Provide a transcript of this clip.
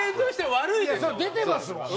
出てますもんね。